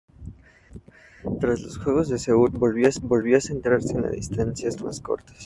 Tras los juegos de Seúl volvió a centrarse en las distancias más cortas.